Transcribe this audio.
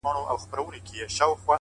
نیک اخلاق خاموشه درناوی زېږوي؛